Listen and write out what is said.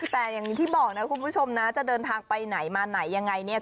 แต่อย่างที่บอกนะคุณผู้ชมนะจะเดินทางไปไหนมาไหนยังไงเนี่ย